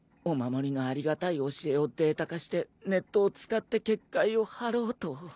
お守りのありがたい教えをデータ化してネットを使って結界を張ろうと。